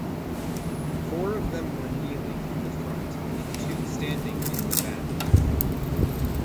Four of them were kneeling in the front and two standing in the back.